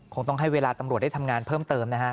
คงต้องให้เวลาตำรวจได้ทำงานเพิ่มเติมนะฮะ